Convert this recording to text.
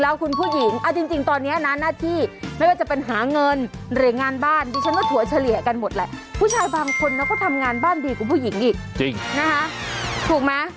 แล้วคุณผู้หญิงออจริงตอนนี้น่ะหน้าที่ไม่ว่าจะ